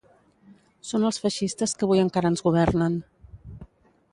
Són els feixistes que avui encara ens governen.